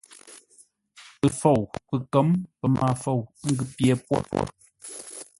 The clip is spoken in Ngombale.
Pəfou, pəkə̌m, pəmaafou, ə́ ngʉ̌ pye pwôr.